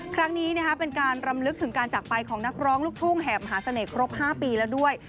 ครั้งนี้เป็นการรำลึกถึงการจักรไปของนักร้องลูกทุ่งแหบมหาเสน่หรบ๕ปีแล้วด้วย